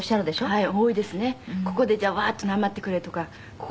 はい。